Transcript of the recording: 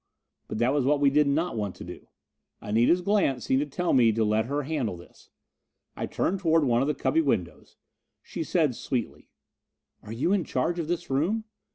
But that was what we did not want to do. Anita's glance seemed to tell me to let her handle this. I turned toward one of the cubby windows; she said sweetly: "Are you in charge of this room?